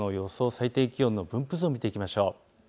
最低気温、分布図を見ていきましょう。